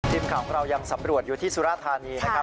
ทีมข่าวของเรายังสำรวจอยู่ที่สุราธานีนะครับ